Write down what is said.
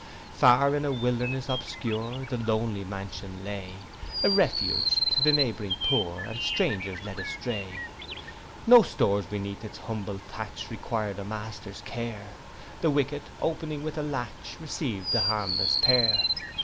Far in a wilderness obscure The lonely mansion lay; A refuge to the neighbouring poor, And strangers led astray. No stores beneath its humble thatch Requir'd a master's care; The wicket opening with a latch, Receiv'd the harmless pair.